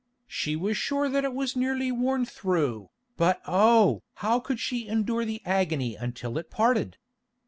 She was sure that it was nearly worn through, but oh! how could she endure the agony until it parted?